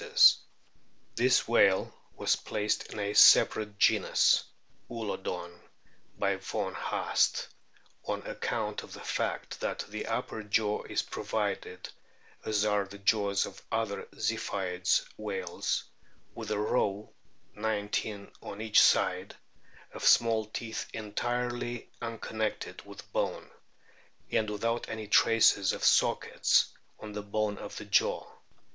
BEAKED WHALES 219 This whale was placed in a separate genus (Oulodon) by von Haast on account of the fact that the upper jaw is provided, as are the jaws of other Ziphioid whales, with a row, nineteen on each side, of small teeth entirely unconnected with bone, and without any traces of sockets on the bone of the jaw.